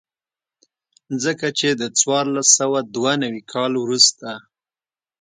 ځکه چې د څوارلس سوه دوه نوي کال وروسته.